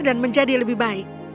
dan menjadi lebih baik